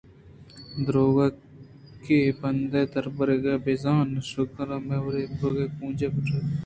درٛوگ ءَ کہ بندے دربرگے بِہ زاں شِگان یک مُور مُرغے ءَکُونج ءَ را شِگان جَنان ءَ درّائینت تئی بانزُل ءُدمبی جَہل شُتگ اَنت ءُ کپگی اَنت